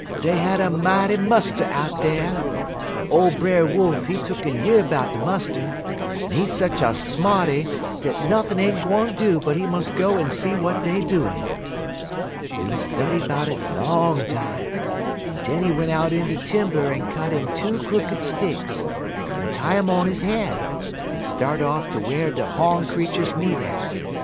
dey had a mighty muster out dar. Ole Brer Wolf, he tuck'n year 'bout de muster, en he sech a smarty dat nothin' ain't gwine do but he mus' go en see w'at dey doin'. "He study 'bout it long time, en den he went out in de timber en cut 'im two crooked sticks, en tie um on his head, en start off ter whar de hawn creeturs meet at.